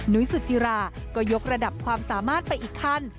ุ้ยสุจิราก็ยกระดับความสามารถไปอีกขั้น